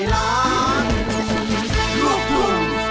หวังดายเฮมา